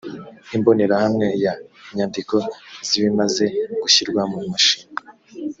imbonerahamwe ya inyandiko zibimaze gushyirwa mu mashini